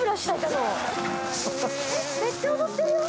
めっちゃ踊ってるよ。